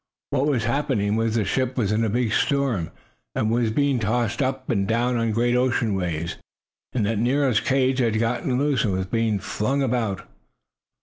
What was happening was that the ship was in a big storm, and was being tossed up and down on great ocean waves, and that Nero's cage had got loose and was being flung about.